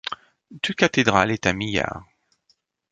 Toute cathédrale est un milliard.